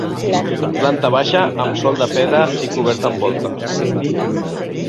Planta baixa amb sòl de pedra i coberta amb volta.